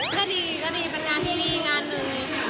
ก็ดีก็ดีเป็นงานดีงานหนึ่ง